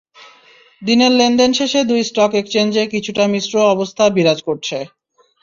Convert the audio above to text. দিনের লেনদেন শেষে দুই স্টক এক্সচেঞ্জে কিছুটা মিশ্র অবস্থা বিরাজ করছে।